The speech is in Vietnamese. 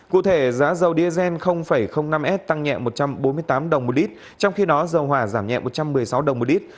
cụ thể giá dầu diesel năm s tăng nhẹ một trăm bốn mươi tám đồng một lít trong khi đó dầu hỏa giảm nhẹ một trăm một mươi sáu đồng một lít